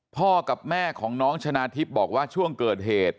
พ่อกับแม่ของน้องชนะทิพย์บอกว่าช่วงเกิดเหตุ